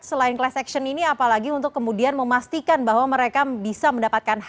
selain class action ini apalagi untuk kemudian memastikan bahwa mereka bisa mendapatkan